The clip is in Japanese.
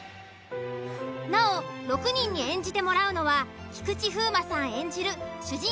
なお６人に演じてもらうのは菊池風磨さん